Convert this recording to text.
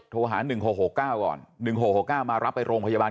โทรหา๑๖๖๙ก่อน๑๖๖๙มารับไปโรงพยาบาล